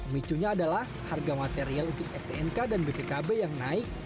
micunya adalah harga material untuk stnk dan bpkb yang naik